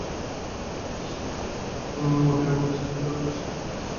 এই স্টেডিয়ামে দেশটির জাতীয় মহিলা বক্সিং দলের জন্য স্টেডিয়ামের প্রশিক্ষণ সুবিধাও রয়েছে,।